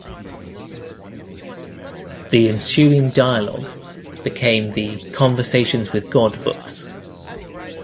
The ensuing dialogue became the "Conversations with God" books.